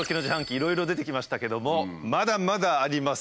いろいろ出てきましたけどもまだまだあります。